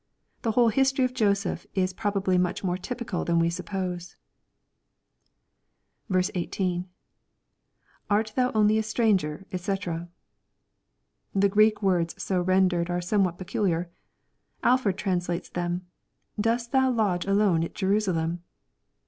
The whole history of Joseph is probably much more typical than we suppose. 1 8. — [Art thou only a stranger^ &c.] The Greek words so rendered are somewhat pecuhar. Alfbrd translates them, " Dost thou lodge alone at Jerusalem